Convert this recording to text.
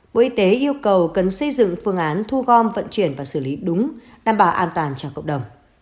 bộ y tế yêu cầu cần xây dựng phương án thu gom vận chuyển và xử lý đúng đảm bảo an toàn cho cộng đồng